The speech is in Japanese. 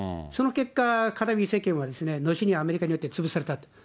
その結果、カダフィ政権は後にアメリカによって潰された。